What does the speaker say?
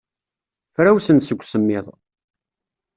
Frawsen seg usemmiḍ.